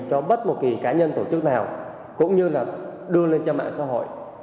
cho bất một kỳ cá nhân tổ chức nào cũng như là đưa lên cho mạng xã hội